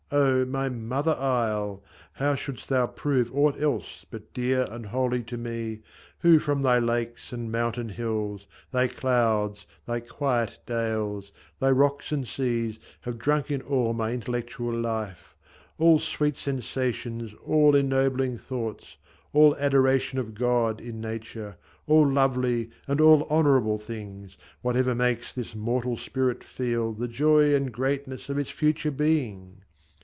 O my Mother Isle ! How shouldst thou prove aught else but dear and holy To me, who from thy lakes and mountain hills, Thy clouds, thy quiet dales, thy rocks and seas, Have drunk in all my intellectual life, All sweet sensations, all ennobling thoughts, All adoration of God in nature, All lovely and all honourable things, Whatever makes this mortal spirit feel The joy and greatness of its future being